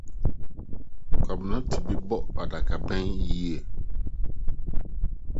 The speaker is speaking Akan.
Kwabena tumi bɔ adakabɛn yiye.